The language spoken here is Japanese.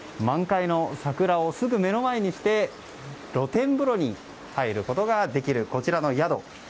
満開の桜をすぐ目の前にして露天風呂に入ることができるこちらの宿。